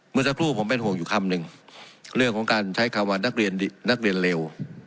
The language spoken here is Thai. เมื่อสักครู่ผมเป็นห่วงอยู่คำหนึ่งเรื่องของการใช้คำว่านักเรียนนักเรียนเร็ว